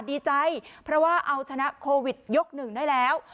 ดีใจเพราะว่าเอาชนะโควิด๑ได้แล้ว